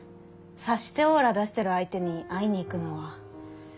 察してオーラ出してる相手に会いに行くのは。